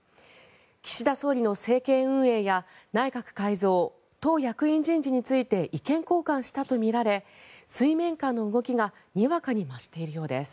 岸田総理の政権運営や内閣改造、党役員人事について意見交換したとみられ水面下の動きがにわかに増しているようです。